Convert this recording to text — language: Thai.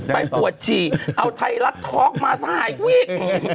ไปปวดจี่เอาไทยรัฐทอล์กมาซ่ายกวิ๊ก